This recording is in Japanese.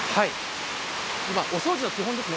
お掃除の基本ですね